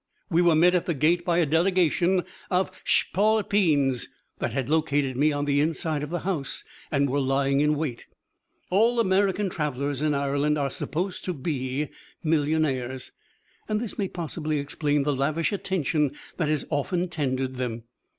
We were met at the gate by a delegation of "shpalpeens" that had located me on the inside of the house and were lying in wait. All American travelers in Ireland are supposed to be millionaires, and this may possibly explain the lavish attention that is often tendered them.